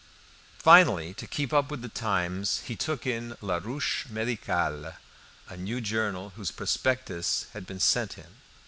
Finally, to keep up with the times, he took in "La Ruche Medicale," a new journal whose prospectus had been sent him.